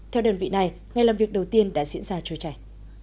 theo đơn vị này ngày làm việc đầu tiên đã diễn ra trôi chảy